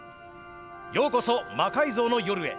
ようこそ「魔改造の夜」へ。